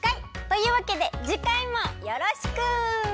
というわけでじかいもよろしく！